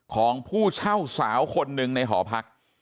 ของผู้เช่าสาวคนหนึ่งในหอพัก